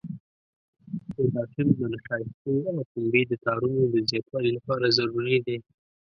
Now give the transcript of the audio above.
پوتاشیم د نشایستې او پنبې د تارونو د زیاتوالي لپاره ضروري دی.